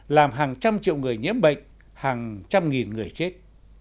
làm hàng trăm triệu người nhiễm bệnh hàng trăm nghìn người chết